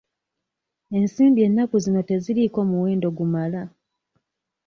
Ensimbi ennaku zino teziriiko muwendo gumala.